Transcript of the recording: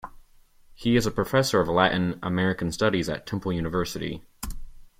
He is a professor of Latin American Studies at Temple University.